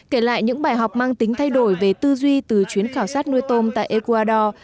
kể lại những bài học mang tính thay đổi về tư duy từ chuyến khảo sát nuôi tôm tại ecuador